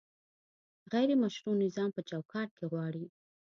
غیر مشروع نظام په چوکاټ کې غواړي؟